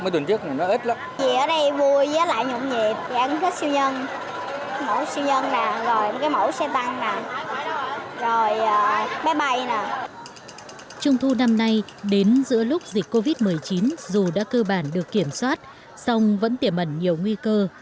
trung thu năm nay đến giữa lúc dịch covid một mươi chín dù đã cơ bản được kiểm soát song vẫn tiềm ẩn nhiều nguy cơ